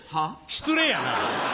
失礼やな。